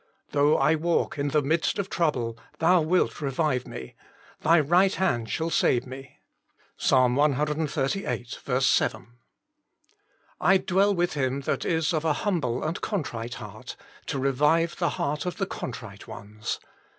Though I walk in the midst of trouble, Thou wilt revive me: Thy right hand shall save me." Ps. cxxxviii. 7. I dwell with him that is of a humble and contrite heart, to revive the heart of the contrite ones."